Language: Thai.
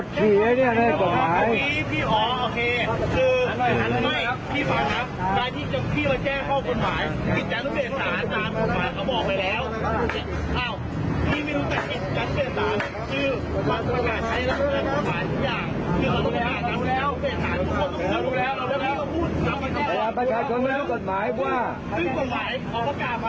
ที่ไม่รู้แต่อีกอย่างเท่าไหร่นะครับ